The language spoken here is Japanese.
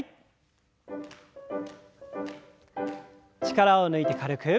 力を抜いて軽く。